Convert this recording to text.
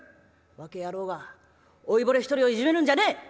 若え野郎が老いぼれ一人をいじめるんじゃねえ！